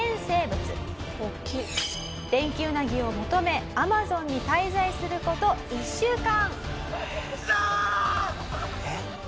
「デンキウナギを求めアマゾンに滞在する事１週間」